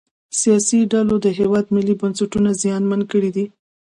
سیاسي ډلو د هیواد ملي بنسټونه زیانمن کړي دي